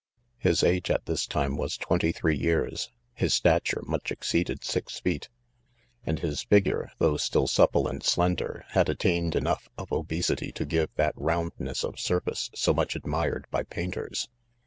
His age at this time was twenty three years ; his statui^ much exceeded six feet, and his fig ure, though still supple and slender, had at tained enough of obesity to give that round Bess of surface so much admired by painters.